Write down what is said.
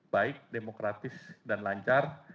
baik demokratis dan lancar